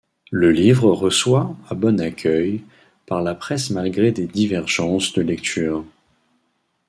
Le livre reçoit a bon accueil par la presse malgré des divergences de lectures.